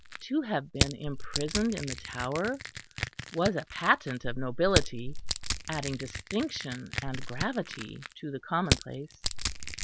To have been imprisoned in the Tower was a patent of nobility, adding distinction and gravity to the commonplace.